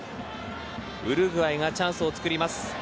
ウルグアイがチャンスをつくります。